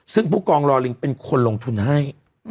ซึ่งผู้กองรอลิงเป็นคนลงทุนให้